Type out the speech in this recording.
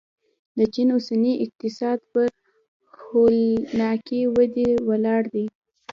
د چین اوسنی اقتصاد پر هولناکې ودې ولاړ دی.